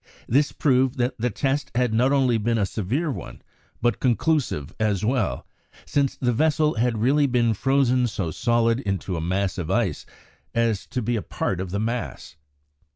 This proved that the test had not only been a severe one, but conclusive as well, since the vessel had really been frozen so solid into a mass of ice as to be a part of the mass.